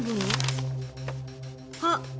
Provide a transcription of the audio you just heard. あっ！